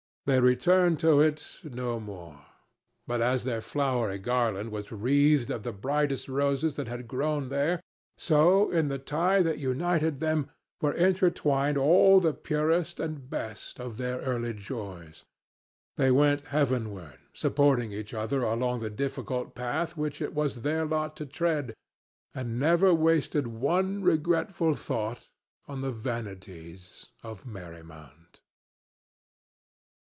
They returned to it no more. But as their flowery garland was wreathed of the brightest roses that had grown there, so in the tie that united them were intertwined all the purest and best of their early joys. They went heavenward supporting each other along the difficult path which it was their lot to tread, and never wasted one regretful thought on the vanities of Merry Mount.